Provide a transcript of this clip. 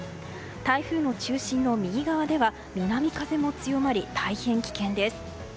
台風の中心の右側では南風も強まり、大変危険です。